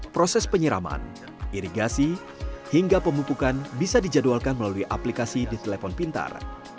proses penyiraman irigasi hingga pemupukan bisa dijadwalkan melalui aplikasi di telepon pintar